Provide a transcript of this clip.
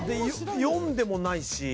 読んでもないし。